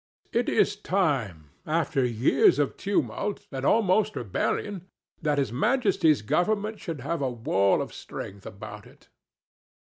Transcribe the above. It is time, after years of tumult, and almost rebellion, that His Majesty's government should have a wall of strength about it."